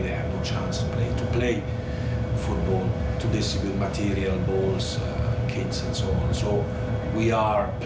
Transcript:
เขาบอกฉันว่ามีประธานาศาสตร์ที่๑๐๐ปี